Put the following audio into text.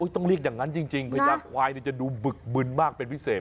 ต้องเรียกอย่างนั้นจริงพญาควายจะดูบึกบึนมากเป็นพิเศษ